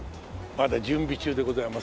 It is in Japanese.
まだ準備中でございますけど。